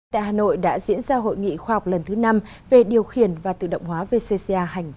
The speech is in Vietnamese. tại hà nội đã diễn ra hội nghị khoa học lần thứ năm về điều khiển và tự động hóa vcci hai nghìn hai mươi